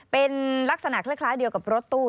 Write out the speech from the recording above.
เป็นลักษณะคล้ายเดียวกับรถตู้